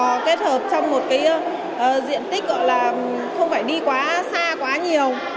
và kết hợp trong một cái diện tích gọi là không phải đi quá xa quá nhiều